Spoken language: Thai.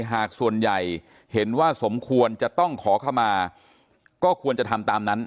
หากส่วนใหญ่เห็นว่าสมควรจะต้องขอเข้ามาก็ควรจะทำตามนั้น